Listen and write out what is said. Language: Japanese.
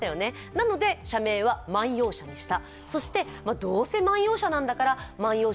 なので社名は万葉社にした。